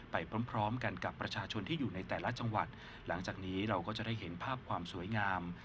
ไปพร้อมกันกับประชาชนที่อยู่ในแต่ละจังหวัดหลังจากนี้เราก็จะได้เห็นภาพความสวยงาม